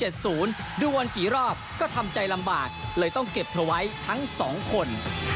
ดูกันกี่รอบก็ทำใจลำบากเลยต้องเก็บเธอไว้ทั้งสองคน